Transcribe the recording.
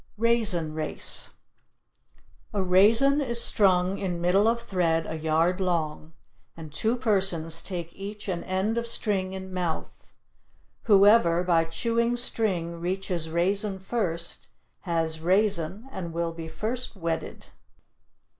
RAISIN RACE A raisin is strung in middle of thread a yard long, and two persons take each an end of string in mouth; whoever, by chewing string, reaches raisin first has raisin and will be first wedded.